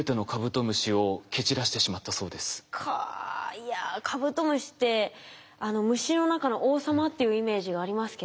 いやカブトムシって虫の中の王様っていうイメージがありますけど